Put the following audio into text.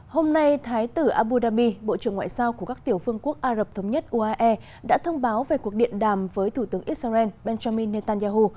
hôm nay thái tử abu dhabi bộ trưởng ngoại giao của các tiểu phương quốc ả rập thống nhất uae đã thông báo về cuộc điện đàm với thủ tướng israel benjamin netanyahu